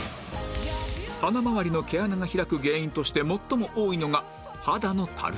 鼻まわりの毛穴が開く原因として最も多いのが肌のたるみ